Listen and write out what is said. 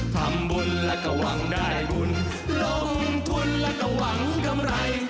ทำบุญแล้วก็หวังได้บุญลงทุนแล้วก็หวังกำไร